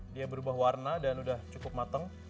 dia berubah warna dan sudah cukup mateng